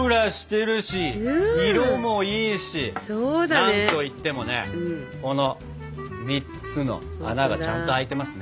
なんといってもねこの３つの穴がちゃんと開いてますね。